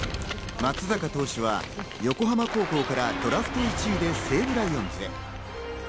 松坂投手は横浜高校からドラフト１位で西武ライオンズへ。